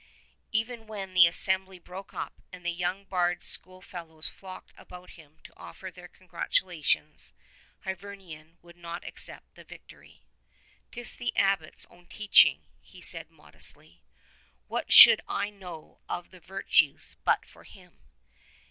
Even when the assembly broke up and the young bard's schoolfellow's flocked about him to offer their congratula tions, Hyvarnion would not accept the victory. '' 'Tis the Abbot's own teaching," he said modestly. '^What should I know of the virtues but for him?